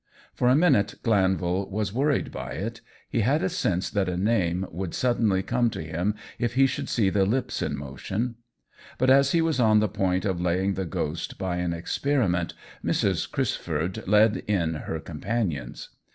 For a minute Glanvil was worried by it — he had a sense that a name would suddenly come to him if he should see the lips in motion ; but as he was on the point of laying the ghost by an experiment Mrs. Crisford led in her companions.